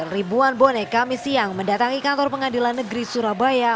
ribuan bonek kami siang mendatangi kantor pengadilan negeri surabaya